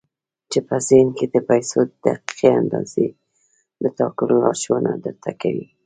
چې په ذهن کې د پيسو د دقيقې اندازې د ټاکلو لارښوونه درته کوي.